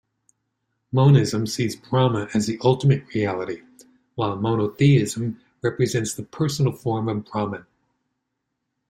Monism sees Brahma as the ultimate Reality, while monotheism represents the personal form Brahman.